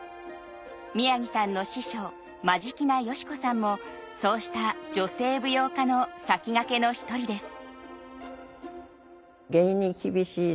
宮城さんの師匠真境名佳子さんもそうした女性舞踊家の先駆けの一人です。